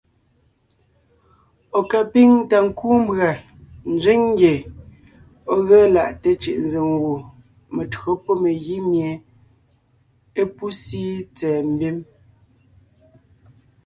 Ɔ̀ ka píŋ ta kúu mbʉ̀a nzẅíŋ ngye ɔ̀ ge laʼte cʉ̀ʼnzèm gù metÿǒ pɔ́ megǐ mie é pú síi tsɛ̀ɛ mbim.s.